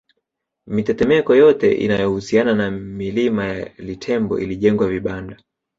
Mitetemeko yote inayohusiana na milima ya Litembo ilijengwa vibanda